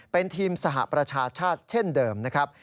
เป็นทีมสหประชาชาติเช่นเดิมนะครับ